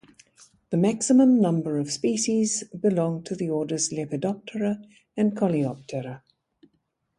The maximum number of species belong to the orders Lepidoptera and Coleoptera.